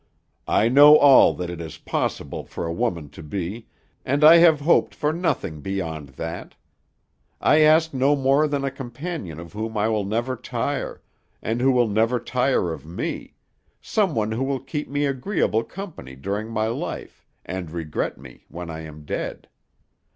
"I know all that it is possible for a woman to be, and I have hoped for nothing beyond that. I ask no more than a companion of whom I will never tire, and who will never tire of me some one who will keep me agreeable company during my life, and regret me when I am dead.